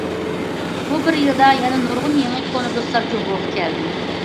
بۇ بىر يىلدا، يەنە نۇرغۇن يېڭى، كونا دوستلار جۇڭگوغا كەلدى.